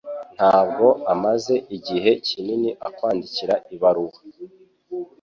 Ntabwo amaze igihe kinini akwandikira ibaruwa.